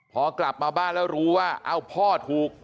พอกลับมาบ้านแล้วรู้ว่าเอ้าพ่อถูก